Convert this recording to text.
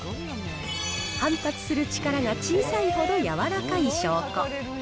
反発する力が小さいほど柔らかい証拠。